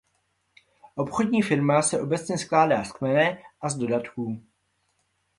Obchodní firma se obecně skládá z "kmene" a z "dodatků".